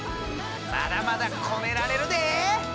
まだまだこねられるで！